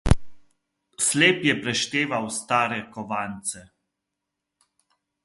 Slep je prešteval stare kovance.